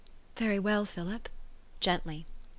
" Very well, Philip," gently.